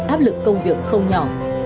áp lực công việc không nhỏ